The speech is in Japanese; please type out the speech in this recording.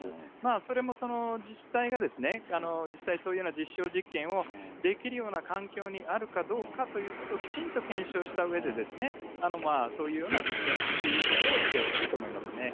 それもその自治体が、実際、そういうような実証実験をできるような環境にあるかどうかということをきちんと検証したうえでですね、そういうような実験ということをしてほしいと思いますね。